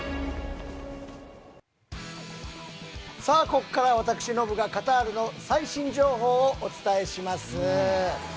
ここからは私、ノブがカタールの最新情報をお伝えします。